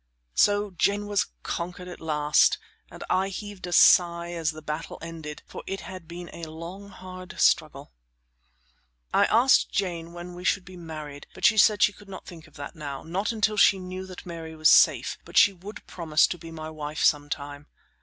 So Jane was conquered at last, and I heaved a sigh as the battle ended, for it had been a long, hard struggle. I asked Jane when we should be married, but she said she could not think of that now not until she knew that Mary was safe; but she would promise to be my wife sometime.